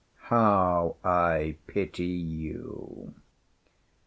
How I pity you!